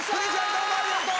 どうもありがとう。